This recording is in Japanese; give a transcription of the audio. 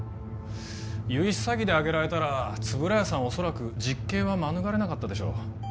融資詐欺で挙げられたら円谷さんは恐らく実刑は免れなかったでしょう